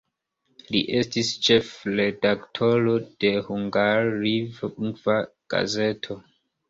Li estis ĉefredaktoro de hungarlingva gazeto.